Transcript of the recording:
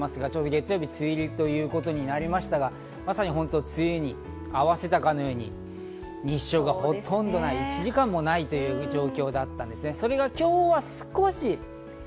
月曜日、梅雨入りということになりましたが、まさに本当に梅雨に合わせたかのように日照がほとんどない、１時間もない状況だったんですね。